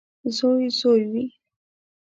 • زوی زوی وي.